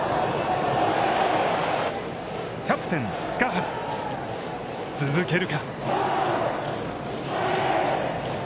キャプテン塚原、続けるか。